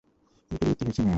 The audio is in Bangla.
এর পরিবর্তে রয়েছে মেয়র।